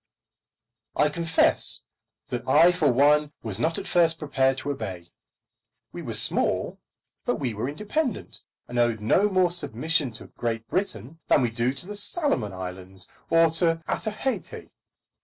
I confess that I for one was not at first prepared to obey. We were small, but we were independent, and owed no more of submission to Great Britain than we do to the Salomon Islands or to Otaheite.